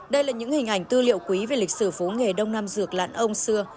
đây là những hình ảnh tư liệu quý về lịch sử phố nghề đông nam dược lạn ông xưa